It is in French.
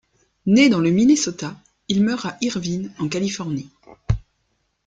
Né dans le Minnesota, il meurt à Irvine, en Californie.